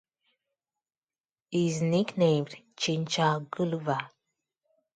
He is nicknamed "Chincha Guluva".